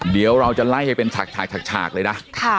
เดี๋ยวเราจะไล่ให้เป็นฉากเลยนะ